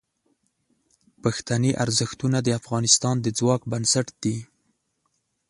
پښتني ارزښتونه د افغانستان د ځواک بنسټ دي.